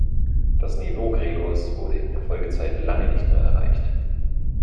Das Niveau Gregors wurde in der Folgezeit lange nicht mehr erreicht.